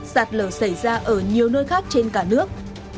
sạt lở xảy ra ở nhiều nơi khác trên cả nước